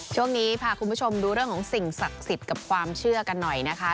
ช่วงนี้พาคุณผู้ชมดูเรื่องของสิ่งศักดิ์สิทธิ์กับความเชื่อกันหน่อยนะคะ